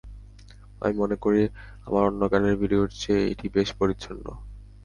আমি মনে করি, আমার অন্য গানের ভিডিওর চেয়ে এটি বেশ পরিচ্ছন্ন।